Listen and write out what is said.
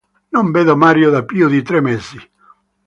Non vedo Mario da più di tre mesi.